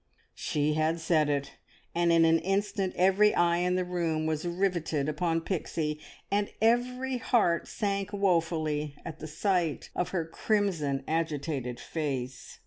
She had said it, and in an instant every eye in the room was riveted upon Pixie, and every heart sank woefully at the sight of her crimson, agitated face.